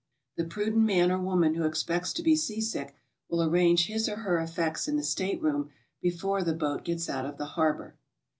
The prudent man or woman who expects to be sea sick will arrange his or her effects in the stateroom before the boat gets out of the harbor.